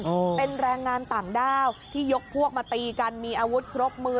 โอ้โหเป็นแรงงานต่างด้าวที่ยกพวกมาตีกันมีอาวุธครบมือ